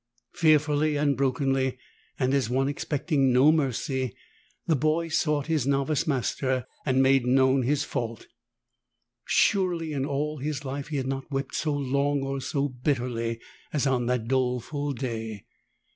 Fearfully and brokenly, and as one expecting no mercy, the boy sought his novice master and made known his fault. Surely in all his life he had not wept so long or so bitterly as on that doleful day